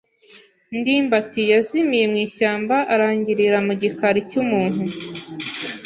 ndimbati yazimiye mu ishyamba arangirira mu gikari cy'umuntu